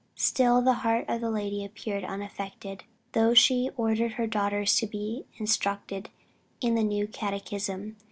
Still the heart of the lady appeared unaffected, though she ordered her daughters to be instructed in the new catechism.